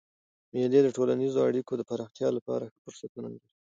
مېلې د ټولنیزو اړیکو د پراختیا له پاره ښه فرصتونه دي.